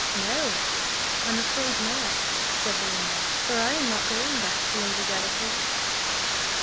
"No, I'm afraid not," said Belinda; "for I am not going back to Lady Delacour's."